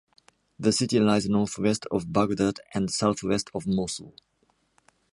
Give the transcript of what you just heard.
The city lies northwest of Baghdad and southwest of Mosul.